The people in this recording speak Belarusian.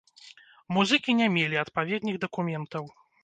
Музыкі не мелі адпаведных дакументаў.